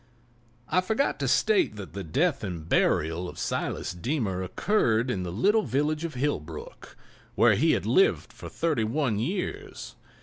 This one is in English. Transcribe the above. I forgot to state that the death and burial of Silas Deemer occurred in the little village of Hillbrook, where he had lived for thirty one years.